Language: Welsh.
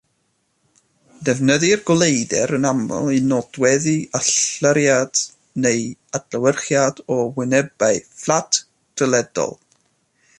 Defnyddir goleuder yn aml i nodweddu allyriad neu adlewyrchiad o wynebau fflat, tryledol.